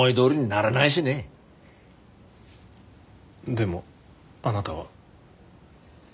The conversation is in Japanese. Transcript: でもあなたは。